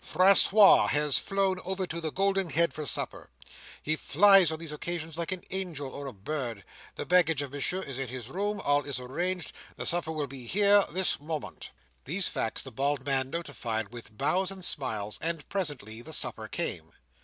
"Francois has flown over to the Golden Head for supper. He flies on these occasions like an angel or a bird. The baggage of Monsieur is in his room. All is arranged. The supper will be here this moment." These facts the bald man notified with bows and smiles, and presently the supper came.